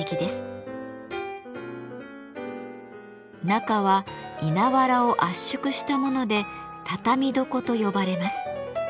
中は稲わらを圧縮したもので「畳床」と呼ばれます。